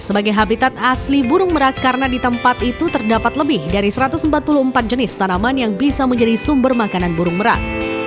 sebagai habitat asli burung merak karena di tempat itu terdapat lebih dari satu ratus empat puluh empat jenis tanaman yang bisa menjadi sumber makanan burung merak